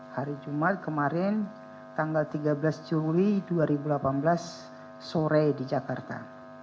hari jumat kemarin tanggal tiga belas juli dua ribu delapan belas sore di jakarta